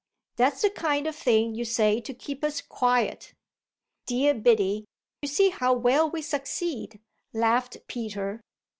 "That's the kind of thing you say to keep us quiet." "Dear Biddy, you see how well we succeed!" laughed Peter.